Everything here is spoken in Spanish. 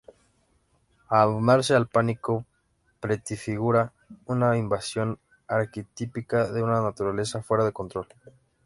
Abandonarse al pánico prefigura una invasión arquetípica de una naturaleza fuera de control.